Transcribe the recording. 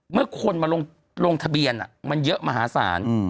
เมื่อคนมาลงทะเบียนมันเยอะมหาศาล